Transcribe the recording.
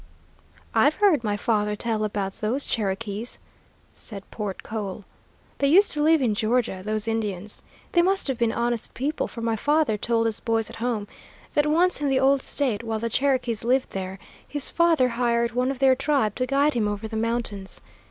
"I've heard my father tell about those Cherokees," said Port Cole. "They used to live in Georgia, those Indians. They must have been honest people, for my father told us boys at home, that once in the old State while the Cherokees lived there, his father hired one of their tribe to guide him over the mountains.